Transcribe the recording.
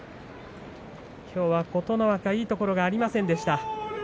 きょうは琴ノ若いいところがありませんでした。